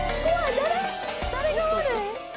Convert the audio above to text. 誰が悪いん？